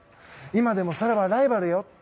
今でも沙羅はライバルよ。